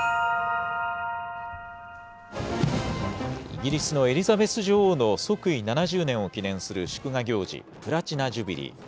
イギリスのエリザベス女王の即位７０年を記念する祝賀行事、プラチナ・ジュビリー。